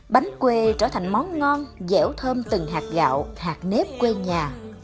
bánh quê trở thành món ngon dẻo thơm từng hạt gạo hạt nếp quê nhà